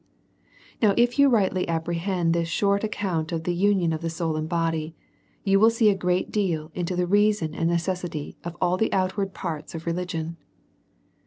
Now, if you rightly apprehend this short account of the union of the soul and body, you will see a great deal into the reason and necessity of all the outward parts of religion.